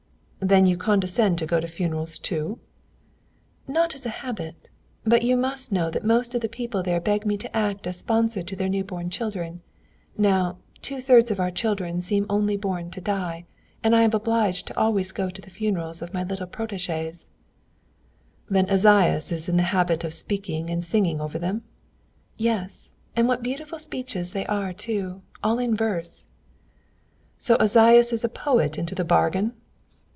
"Then you condescend to go to funerals too?" "Not as a habit. But you must know that most of the people there beg me to act as sponsor to their new born children. Now, two thirds of our children seem only born to die, and I am obliged to always go to the funerals of my little protégés." "Then Esaias is in the habit of speaking and singing over them?" "Yes, and what beautiful speeches they are too, all in verse." "So Esaias is a poet into the bargain?"